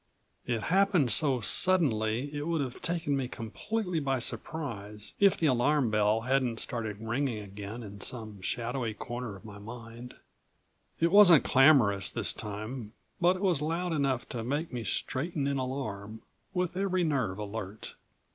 3 It happened so suddenly it would have taken me completely by surprise, if the alarm bell hadn't started ringing again in some shadowy corner of my mind. It wasn't clamorous this time, but it was loud enough to make me straighten in alarm, with every nerve alert.